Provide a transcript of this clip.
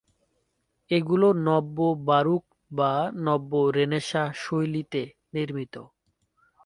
এগুলো নব্য-বারুক বা নব্য-রেনেসাঁ শৈলীতে নির্মিত।